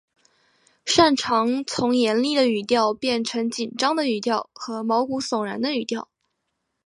善长从严厉的语调到变成紧张的语调和毛骨悚然的语调。